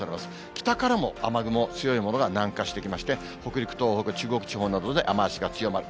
北からも雨雲、強いものが南下してきまして、北陸、東北、中国地方などで雨足が強まる。